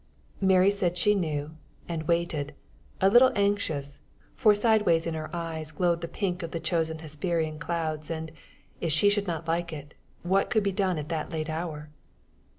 Mary said she knew, and waited a little anxious; for sideways in her eyes glowed the pink of the chosen Hesperian clouds, and, if she should not like it, what could be done at that late hour.